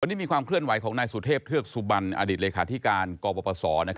วันนี้มีความเคลื่อนไหวของนายสุเทพเทือกสุบันอดีตเลขาธิการกปศ